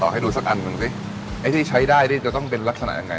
ให้ดูสักอันหนึ่งสิไอ้ที่ใช้ได้นี่จะต้องเป็นลักษณะยังไง